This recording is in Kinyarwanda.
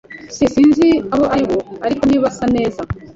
S Sinzi abo ari bo, ariko ntibasa neza.